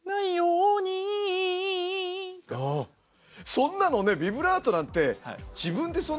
そんなのねビブラートなんて自分でそんな。